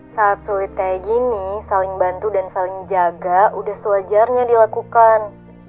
saat sulit kayak gini saling bantu dan saling jaga udah sewajarnya dilakukan